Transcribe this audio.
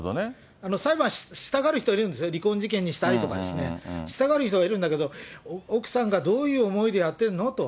裁判したがる人はいるんですよ、離婚事件にしたいとかですね、したがる人はいるんだけど、奥さんがどういう思いでやってるの？と。